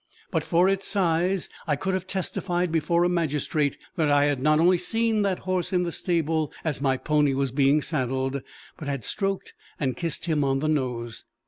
But for its size I could have testified before a magistrate, that I had not only seen that horse in the stable as my pony was being saddled, but had stroked and kissed him on the nose.